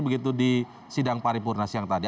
begitu di sidang paripurnas yang tadi